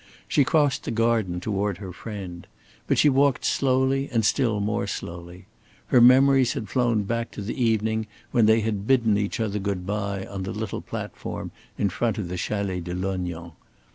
She crossed the garden toward her friend. But she walked slowly and still more slowly. Her memories had flown back to the evening when they had bidden each other good by on the little platform in front of the Chalet de Lognan.